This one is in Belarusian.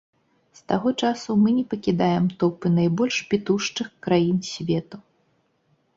З таго часу мы не пакідаем топы найбольш пітушчых краін свету.